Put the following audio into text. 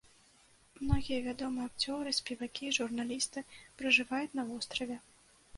Многія вядомыя акцёры, спевакі, журналісты пражываюць на востраве.